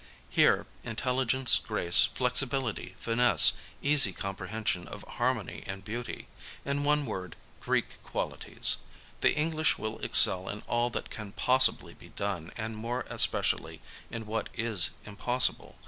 Here, intelligence, grace, flexibility, finesse, easy comprehension of harmony and beauty ;— in one word, Greek qualities. The English will excel in all that can possibly be done, and more especially in what is/ impossible.